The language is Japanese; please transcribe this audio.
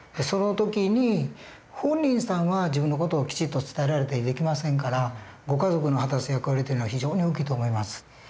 その時に本人さんは自分の事をきちっと伝えられたりできませんからご家族の果たす役割というのは非常に大きいと思います。